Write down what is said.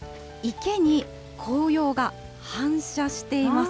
池に紅葉が反射しています。